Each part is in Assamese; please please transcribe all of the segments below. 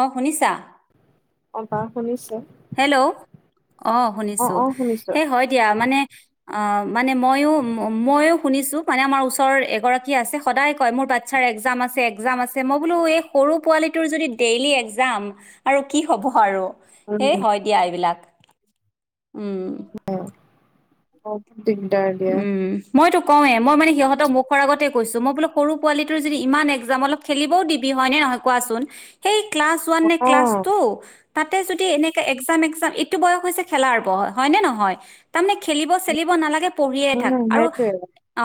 অ শুনিছা। অবাৰ শুনিছে। হেল্ল'। অ শুনিছো অ শুনিছো সেই হয় দিয়া মানে। অ মানে মইো ময়ো শুনিছো মানে আমাৰ ওচৰৰ এগৰাকী আছে সদায় কয় মোৰ বাচ্ছাৰ এক্জাম আছে, একজাম আছে, মই বোলো। এই সৰু পোৱালিটোৰ যদি ডেইলি এক্জাম আৰু কি হ'ব আৰু। উম এইেই হয় দিয়া এইবিলাক। উম। অহঁ। উম মইতো কওঁৱেই মই মানে সিহঁতক মোক। আগতে কৈছো মই বোলো সৰু পোৱালিটোৰ যদি ইমান এক্জাম অলপ খেলিবও দিবি হয়নেে নহয় কোৱাচোন সেই। ক্লাছ ওৱান অ নে ক্লাছ টু। তাতে যদি এনেকাে এক্জাম এক্জাম এইটো বয়স হৈছে খেলাৰ বয় হয় নে নহয় তাৰমানে খেলিব চেলিব নালাগে। পঢ়িয়ে থাক উম আৰু সেইটোৱে অ।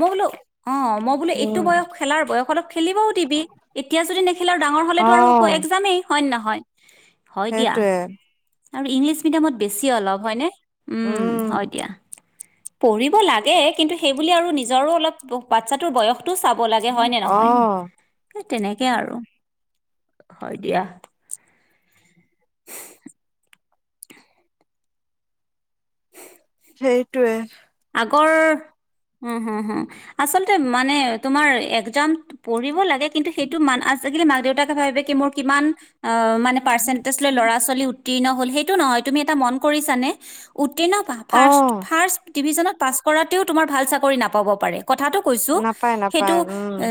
মই বোলো অ মই বোলেো এইটো উম বয়স খেলাৰ বয়স অলপ খেলিবও দিবি এতিয়া যদি নেখেলা আৰু ডাঙৰ হলেতো অ আৰু এক্জামেই হয় নহয়। [unintelligible] সেইটোৱে। আৰু ইংলিছ মিডিয়ামত বেছি অলপ হয়নে! উম হয় দিয়া। পঢ়িব লাগে কিন্তু সেইব আৰু নিজৰো অলপ বাচ্ছাটোৰ বয়স। চাব লাগে হয় নে অ নহয়। তেনেকে আৰু হয় দিয়া। সেইটোৱে। গৰ হু হু আচলতে মানে তোমাৰ একজাম পঢ়িব লাগে কিন্তু মান কিন্তু সেইটো কিন্তু মাক দেউতাকে ভাবি লাগে মোৰ কিমান। মানে পাৰ্চেণ্টেজ লৈ ল'ৰা ছোৱালী। উত্তীৰ্ণ হল সেইটো নহয়, তুমি এটা মন কৰিছানে! উত্তীৰ্ণ পা অ ফাৰ্ষ্ট ফাৰ্ষ্ট। ডিভিজনত পাছ কৰাতেও তোমাৰ ভাল চাকৰি নাপাব পাৰে। কথাটো কৈছো নাপায় সেইটো নাপায় উম এ।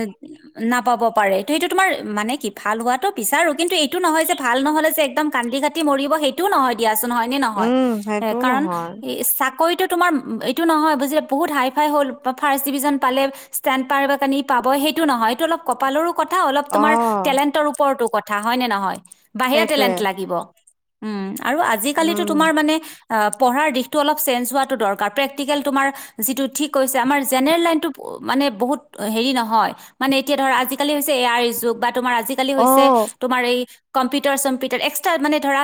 নাপাব পাৰে ত সেইটো তোমাৰ মানে কি ভাল হোৱাতটো বিচাৰো কিন্তু এইটো নহয় যে ভাল নহ'লে যে একদম কান্দি কাটি মৰিব সেইটোও নহয় দিয়া। চোন হয় নে নহয় উম সেইটোও কাৰণ নহয় সেই চাকৰিটোত তোমাৰ এইটো নহয় বুজিলে বহুত হাই ফাই হ'ল বা ফাৰ্ষ্ট ডিভিজন পালে, ষ্টেণ্ড পাৰানি পাব সেইটো নহয় এইটো অলপ কপালৰো কথা অলপ অ তোমাৰ টেণ্টৰ ওপৰতো কথা কথা হয় নে নহয়? বাহিৰৰা সেইটোৱে টেলেণ্ট লাগিব উম আৰু আজিকালি উম তোমাৰ মানে অ পঢ়াৰ দিশটো অলপ চেঞ্জ হোৱাটো দৰ কাৰ প্ৰেকটিকেল তোমাৰ যিটো ঠিক কৈছে আমাৰ জেনেৰেল লাইনতটো মানে বহুত হেৰি নহয় মানে এতিয়া ধৰা আজিকালি এই আই যুগ বা তোমাৰ আজিকালি অ হৈছে তোমাৰ এই কম্পিটাৰ চম্পিউটাৰ এক্সট্ৰা মানে ধৰা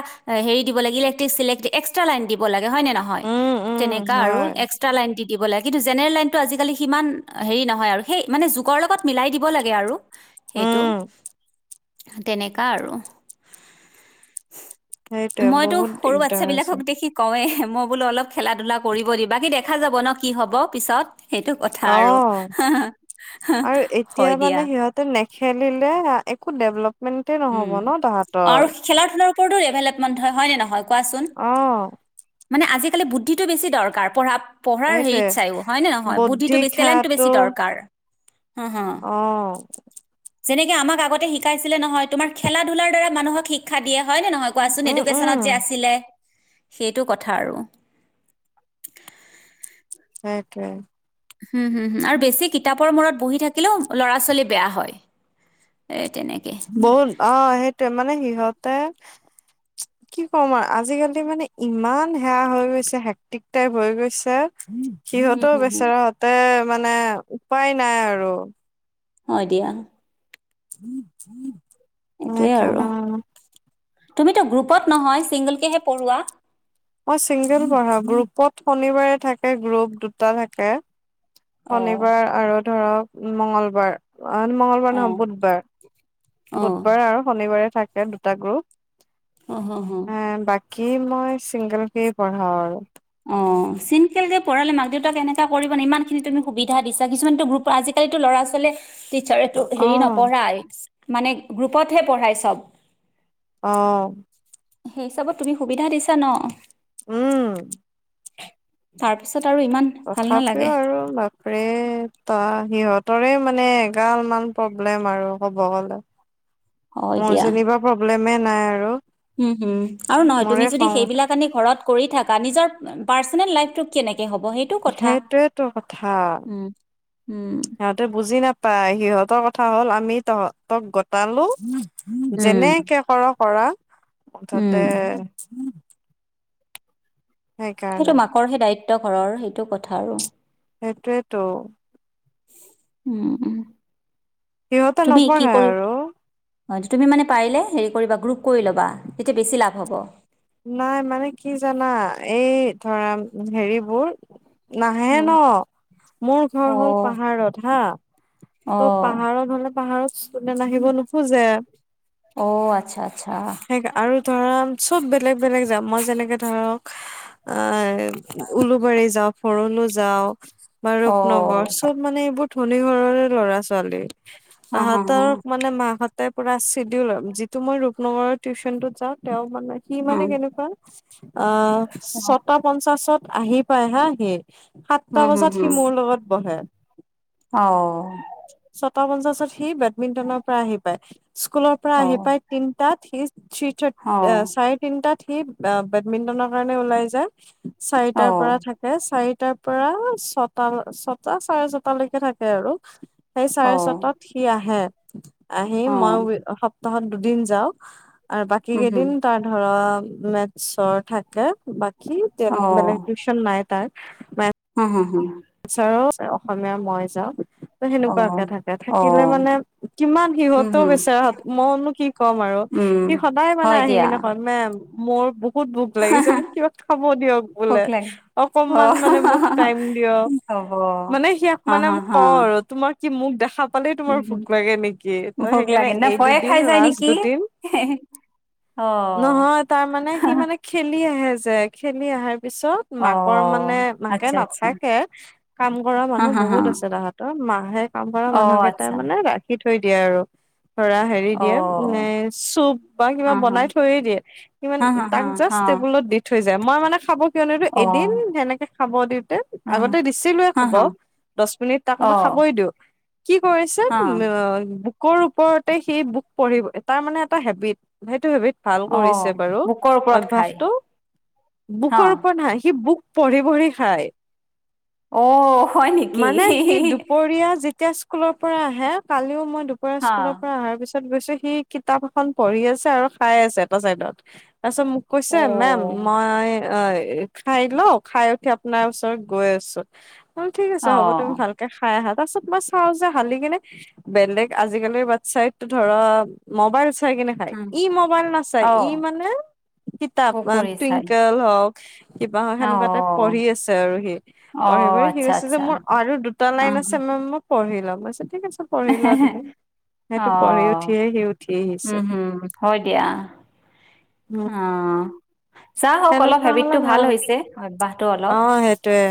হেৰি দিব লাগ ইলেকট্ৰিকে চিলেকট্ৰিক এক্সট্ৰা লানই দিব লাগে। হয় নে নহয় উম উম তেনেকে আৰু হয় এক্সট্ৰা লাইন দ দিব লাগে কিন্তু জেনেল লনটো আজালি সিমান হেৰি নহয় আৰু সেই মানে যুগৰ লগত মিলাই দিব লাগে আৰু সেইটো উম তেনেকুৱা আৰু সেইটোৱে মইতো বহুত সৰু বাচ্ছা দিগদাৰ আছে বিলাকক দেখি কৱে মই বোলো অলপ খেলা ধূলা কৰিব দিবা বাকী দেখা যাব ন কি হ'ব পিছত সেইটো কথা অ আৰু আৰু হয় এতিয়া দিয়া মানে সিহঁতে নেখেলিলে একো ডেভেলপ মেনকে নহব ন তাহতৰ ৰ এভেলেপ মন্ধ হয় নে নহয় কোৱাচোন অ', মানে আজি বুদ্ধিটো বেছি দকাৰ পঢ়া পঢ়াৰ সেইটোৱে হেৰিত চাইও হয় নে নহয় বুদ্ধিটো বৌদ্ধিক বেছি টলেণ্টটো সেয়াটো বেছি দৰকাৰ হা হা অ যেনেকে আমাক আগতে শিকাইছিলে নহয় তোমাৰ খেলা ধূলাৰ দ্বাৰা মানুহক শিক্ষা দিয়ে হয় নে নহয় কোৱাচোন উম, উম, এডুকেশ্যনত যে আছিলে। সেইটো কথা আৰু সেইটোৱে হম হুম হম আৰু বেছি কিতাপৰ মূৰত বহি থাকে থাকিলেও ল'ৰা ছোৱালী বেয়া হয় এ তেনেকে। বন অ সেই মানে সিহঁতে কি কম আৰু আজিকালি মানে ইমান সেয়া হৈ গৈছে হেক্টিক টাইপ হৈ গৈছে হুম, সিহঁতও হুম, হুম, বেচেৰাহতে মানে উপায় নাই আৰু হয় দিয়া [inaudible] মই এইটোয়ে কাণ আৰু। তুমিতো গ্ৰুপত নহয় ছিংগলকেহে পঢ়োৱা মই চিংগল পঢ়া গ্ৰুপত শনিবাৰে থাকে গ্ৰুপ দুটা থাকে অ', শনিবাৰ আৰুত ধৰক মঙ্গলবাৰ অ মঙগলবাৰ নহয় অ', বুধবাৰ অ', বুধবাৰে আৰু শনিবাৰে থাকে এ দুটা গ্ৰুপ অ', হ, হ। হে বাকী মই চিংগল কে পঢ়া আৰু অ চিমকেল কে পঢ়ালে মাক দেউতাক এনেকা কৰিবে ইমান খিনি তুমি সুবিধা দিছা কিছুমান গুৰুত্ব আজিকালিটো ল'ৰা ছোৱালীয়ে টিচাৰটো অ হেৰি নপঢ়াই মানে গ্ৰুপতহে পঢ়ায় চব আহ সেইহিচাবত তুমি সুবিধা দিছা ন উম তাৰপিছত আৰু ইমান ভাল তথাপিও নালাগে। আৰু মাকৰে ত সিহঁতৰে মানেগালমান প্ৰব্লেম আৰু ক'ব গলে মোৰ যেনিবা প্ৰব্লেমে নাই আৰু উম হম আৰু নহয় তুমি মোৰে যদি খং উঠে। সেইবিলাক আনি ঘৰত কৰি থকা নিজৰ পাৰ্চনেল লাইফতোক কেনেকে হ'ব সেইটো কথা। সেইটোয়েতো কথা উম, উম, সিহঁতে বুজি নাপ- পাই সিহঁতৰ কথা হ'ল আমি তহঁতক গটালো উম, যেনেকে কৰক পৰা উম। ততে সেইকাৰণে সেইটো মাকৰ সেই দায়িত্ব ঘৰৰ সেইটো কথা আৰু সেইটোয়েইতো উম উ সিহঁতে নপঢ়াই আৰু তুমি মানে পাৰিলে হেৰি কৰিবা গ্ৰুপ কৰি ল'বা তেতিয়া বেছি লাভ হ'ব নাই মানে কি জানা এই ধৰা হেৰিবোৰ নাহে উম, ন মোৰ ঘৰ হ'ল অ', পাহাৰত হা ত' অ', পাহাৰত হলে পাহাৰত কোনে নাহিব নোখোজে অ', আচ্ছা, আচ্ছা। সেইকা আৰু ধৰা চব বেক- বেলেগ যাম মই যেনেকে ধৰক অ উলোবাৰী যাওক ঘৰলো যাওক বা অ', ৰূপনগৰ চব মানে এইবোৰ ধনি ঘৰৰে ল'ৰা ছোৱালী হা, হা, হা, তাহতৰ মানে মাহঁত পৰা চিডিউল যিটো মই ৰূপনগৰৰ টিউশ্যন টোত যাওঁ তেওঁও মানে সি মানে হুম, কেনেকুৱা আহ ছটা পঞ্চাশত আহি পাই হা সি সাতটা হুম, হুম, বজাত সি হুম। মোৰ লগত বহে অ তা পঞ্চাশত সি বেডমিণ্টনৰ পৰা আহি পায় স্কুলৰ পৰা আহি অ', পাই তিনটাত সি থ্ৰী থাৰ্ট এঅ অ', চাৰে- তাত সি বেডমিন্টনৰ কাৰণে ওলাই যায় অ', চাৰিটাৰ পৰা থাকে চাৰি তাৰ পৰা ছটা ছটা চাৰে ছটালৈকে থাকে আৰু সেই চাৰে অ', ছটাত সি আহে [inaudible] আহি মই অ', [unintelligible] তহত দুদিন যাওঁক আৰু বাকী উম, হুম। কেইদিন তাৰ। মেচৰ থাকে বাক। কি অ', বেলেগ টউশন নয় তাত। মাই। হু হু। আচছাৰ। অসমীয়া মই যাওঁ। অ', সেনেকুৱাকে থাকে থাকিলে অ', মানে কিমান হুম, সিহঁতেও হুম, বিেচৰা মইনো কি ক'ম আৰু উম, সি সদায় মানে হয় আহি দিয়া কিনেখন মেম। মোৰ। বহুত ভোক লাগিছে মোক কিবা খাব দিয়ক ভোক বোলে লাগে অকনমান অ', মানে মোক টাইম দিয়ক। হ'ব মানে সিয়াক হা, মানে হা, মোক ক হা, আৰু তোমাৰ। কি মোক দেখা। কলে তোমাৰ উম, ভোক হুম, লাগে নেকি ত ভোক সেইকাৰণে লাগে না এই ভয়ে দুদিন খাই লা যায় নেকি? দুদিন অ', নহয় তাৰ মানে সি মানে খেলি। খেলি আহে যে খেলি আহে। ত পিছত মাকৰ অ', মানে মাকে আচ্ছা, আচ্ছা, নাথাকে। কাম কৰা হা, মানুহ হা, হা, বহুত আছে তাহতৰ মাহে কাম কৰা মানুহ অ', কেইটাই আচ্ছা, মানে ৰাখি। থৈ দিয়ে আৰু। ধৰা হেৰি দিয়ে ম অ', চুপ বা কিবা হা, হা, বনাই থৈয়ে দিয়ে কিমান হা, হা, হা, তাক হা, জাষ্ট টেবুলত দি থৈছে। মই মানে খাব। কিয়নো এদিন অ', যেনেকে খাব দিওঁতে। হা, আগতে দিছিলোৱয়ে হা, খাব হা, দহ মিনিট তাক মই অ', খাবই দিওঁ কি কৰিছে। হা, বু ওপৰতে সেই বুক পঢ়িব তাৰ মানে এটা হেবিট সেইটো হেবিট। ভাল কৰিছে অ', বাৰু বুকৰ ওপৰত খাই, অভ্যাসতটো বুকৰ ওপৰত হা সি বুক। পঢ়ি পঢ়ি খায়। অহ। মানে সি দুপৰীয়া যেতিয়া। স্কুলৰ পৰা আহে কালিও মই। দুপাৰ হা স্কুলৰ পৰা অহাৰ পিছত। ত গৈছো সি কিতাপ এখন পঢ়ি আছে আৰু খাই আছে এটা চাইডত। তাৰপিছত মোক কৈছে মেম অ' মই। অ খাই ল খাই উঠি আপোনাৰ ওচৰত গৈ আছো। ঠিক আছে হ'ব তুমি অ' ভালকে খাই আহা। তাৰ পিছত মই চাওঁ যে ভালি কিনে বেলেগ আজিকালিৰ বাচ্ছাই ধৰা মবাইল। চাই কিনে খায় উম, ই মোবাইল নাচাই ই অ' মানে কিতাপ পুখুৰী চাই টুইংকলেল হওক কিবা হওক সেনেকুৱা এাই পঢ়ি অ' আছে আৰু সি পঢ়ি অ' পঢ়ি সি আচ্ছা হৈছে [unintelligible] যে আচ্ছা মোৰ আৰু দুটা লাইন উম, আছে মেম মই পঢ়ি লম [inaudible] ঠিক আছে পঢ়ি লোৱা তুমি সেইটো পঢ়ি অ' উঠিয়ে সি উঠি আহিছে উম হম হয় দিয়া উম অ চা হক অলপ সেনেকুৱা হ'লে হেবিটটো ভাল হৈছে অভ্যয়াহটো অলপ অ সেইটোয়ে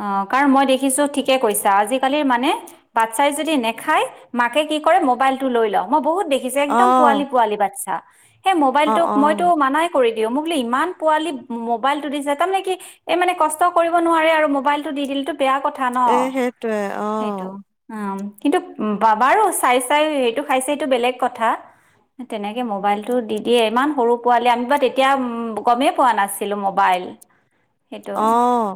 অ কাৰণ মই দেখিছো ঠিকে কৈছা আজিকালিৰ মানে বাচ্ছাই যদি নেখাই মাকে কি কৰে মোবাইলটো লৈ লওঁ মই বহুত দেখিছে অ একদম পোৱালি পোৱালি বাচ্ছা উ সেই অ মোবাইলটোক অ মইতো মানাই কৰি দে মোক বোলে ইমান পোৱালি মোবাইল টো দিছে তাৰমানে কি এই মানে কষ্ট কৰিব নোৱাৰে আৰু মোবলটো দিদিলে [unintelligible] বেয়া কথা ন এ সেইটোয়ে অ সেইটো উম কিন্তু পাবাৰু চাই চাই সেইটো খাইছে এইটো বেলেগ কথা তেনেকে মোবাইলটো দি দিয়ে ইমান সৰু পোৱালে আমি বাৰ তেতিয়া গমেই পোৱা নাছিলো মবাইল আহ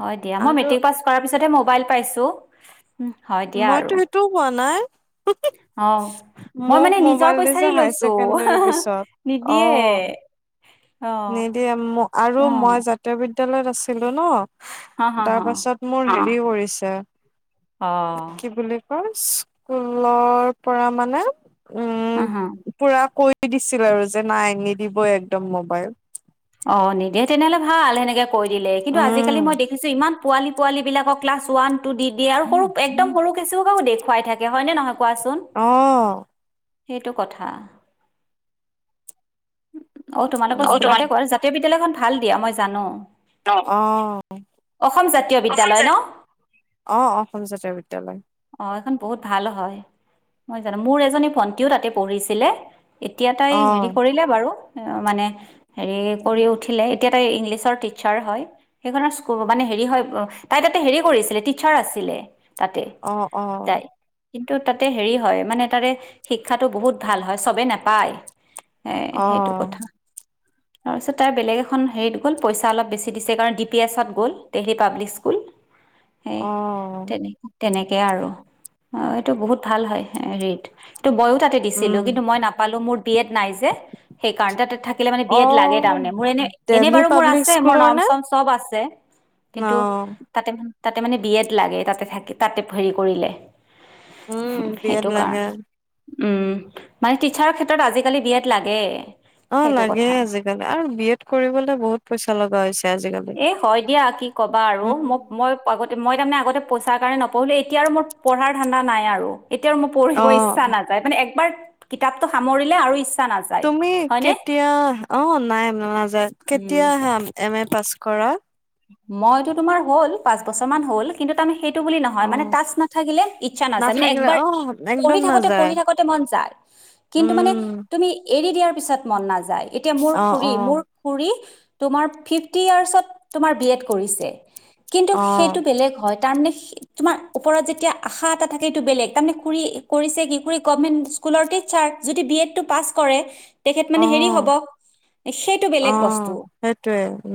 হয় দিয়া মই মেট্ৰিক পাছ কৰা িছ [unintelligible] মবাইল পাইছো উ হয় দিয়া মইতো আৰু সেইটোও কোৱা নাই অ মই মোক মানে নিজৰ মোবাইল পইচা দিছে দি হাই লৈছো ছেকেণ্ডৰীৰ পিছত অ নিদিয়ে অঁ নিদিয়ে আৰু অঁ মই জাতীয় বিদ বিদ্যয়ালয়ত আছিলো হা ন হা তাৰ পাছত মোৰ দেৰি কৰিছে অ কি বুলি স্কুলৰ পৰা মানে হা উম হা পুৰা কৈ দিছিল আৰু যে নাই নিদিবই একদম মোবাইল অ নিদিয়ে তেনেহলে ভাল সেনেকে কৈ দিলে কিন্তু আজিকালি উম মই দেখিছোঁ ইমান পোৱালি পোৱালিব বিলাক ক্লাছ ওৱান দি দিয়ে আৰু সৰু একদম সৰু কেঁচুৱা এটাও দেখ খোৱাই থাকে হয় নে নহয় কোৱাচোন আহ সেইটো কথা অ তোমালোকৰ অহ স্কুলতে কৰে জাতীয় বিদ্যালয়খন ভাল নি দিয়া মই জানো অ অসম জাতীয় বিদ্যালয় ন অ অসম জাতীয় বিদ্যালয় অ এইখন বহুত ভাল হয় মই জানো মোৰ এজনী ভন্টিও তাতে পঢ়িছিলে এতিয়া তাই অহ হেৰি কৰিলে বাৰু মানে হেৰি কৰি উঠিলে এতিয়া তাই ইংলিছৰ টিচাৰ হয় সেইখন স্কু- মানে হেৰি হয় তাই তাতে হেৰি কৰিছিলে টিচাৰ আছিলে তাতে অ অ তাই কিন্তু তাতে হেৰি হয় মানে তাতে শিক্ষাটো বহুত ভাল হয় চবে নাপায় এ সেইটো অহ কথা তাৰপিছত তাৰ বেলেগ এখন হেৰিত গ'ল পইচা অলপ বেছি দিছে কাৰণ ডি পি এছত স্কুল টেহী পাব্লিক স্কুল সেই অহ তেনেকো তেনেকে আৰু অ এইটো বহুত ভাল হয় হেৰিদ মইয়ো তাতে দিছিলো উম কিন্তু মই নাপালো মোৰ বিএড নাই যে সেইকাৰনে তাতে থাকিলে মানে বি এড লাগে অহ তাৰ মানে মোৰ এনে এনে দেলহি বাৰু মোৰ পাব্লিক আছে স্কুলৰ নাম নে চাম চব আছে কিন্তু অহ তাতে মানে তাতে মানে বি এড লাগে তাতে থাকি তাতে হেৰি কৰিলে উম বিএড সেইটো লাগে কাৰণে উম মানে টিচাৰৰ ক্ষেত্ৰত আজিকালি বি এড লাগে অ সেইটো লাগে কথা আজিকালি আৰু বি এড কৰিবলৈ বহুত পইচা লগা হৈছে আজিকালি এ হয় দিয়া কি ক'বা আৰু মোক উম। মই আগত দি মই তাৰমানে আগতে পইচাৰ কাৰণে নপঢ়িলোঁ এতিয়া আৰু মোৰ পঢ়াৰ ধান্দা নাই আৰু এতিয়াও মই অ পঢ়িব ইচ্ছা নাযায় মানে একবাৰ কিতাপটো সামৰিলে আৰু ইচ্ছ- তুমি কেতিয়া অ নাই নাযায় উম কেতিয়া আহা এম এ পাছ কৰা মইতো তোমাৰ হল পাঁচ বছৰ মান হ'ল কিন্তু তাৰমানে সেই বুলি অ নহয় মানে টাচ নাথাকিলে ইচ্ছা নাযায় মানে নাথাকিলে একবাৰ অ পঢ়ি একদম থাকোতে নাযায় পঢ়ি থাকোতে মন যায়। কিন্তু মানে উম। তুমি এৰি দিয়াৰ পিছত মন নাযায়। যাই এতিয়া মোৰ অ খুৰী অ মোৰ খুৰী তোমাৰ ফিফটি ইয়াৰ্চত তোমাৰ বি এড কৰিছে কিন্তু অ সেইটো বেলেগ হয় তাৰমানে তোমাৰ ওপৰত যেতিয়া আশা এটা থাকে এইটো বেলেগ তাৰেু কৰিছে কি কৰি গমেন্ট স্কুলতে ছাৰ যদি বি এডটো পাছ কৰে তেখেত অ মানে হেৰি হ'ব সেইটো অ বেলেগ বস্তু সেইটোৱে উম।